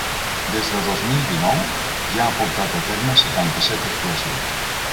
Des de dos mil dinou ja ha portat a terme setanta-set actuacions.